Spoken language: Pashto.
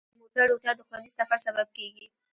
د موټرو روغتیا د خوندي سفر سبب کیږي.